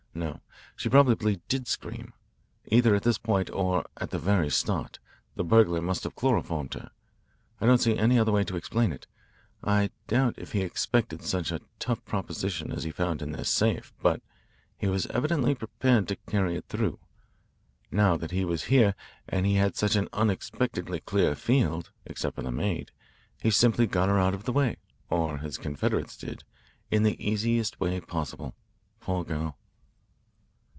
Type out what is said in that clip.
No, she probably did scream. Either at this point, or at the very start, the burglar must have chloroformed her. I don't see any other way to explain it. I doubt if he expected such a tough proposition as he found in this safe, but he was evidently prepared to carry it through, now that he was here and had such an unexpectedly clear field, except for the maid. He simply got her out of the way, or his confederates did in the easiest possible way, poor girl."